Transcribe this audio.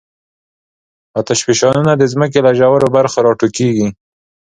آتشفشانونه د ځمکې له ژورو برخو راټوکېږي.